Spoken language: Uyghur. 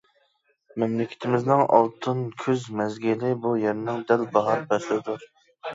مەملىكىتىمىزنىڭ ئالتۇن كۈز مەزگىلى بۇ يەرنىڭ دەل باھار پەسلىدۇر.